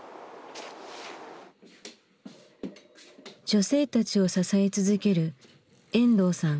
女性たちを支え続ける遠藤さん。